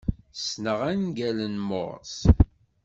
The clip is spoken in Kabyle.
Ssneɣ angal n Morse.